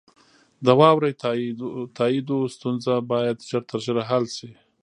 د واورئ تائیدو ستونزه باید ژر تر ژره حل شي.